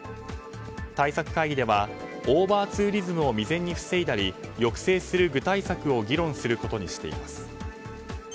対策会議ではオーバーツーリズムを未然に防いだり抑制する具体策を議論することにしています。